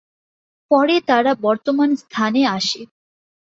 পরে তাঁরা বর্তমান স্থানে আসে।